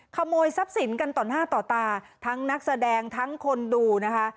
ขโมยทรัพย์สินกันต่อหน้าต่อตาทั้งนักแสดงทั้งคนดูนะคะ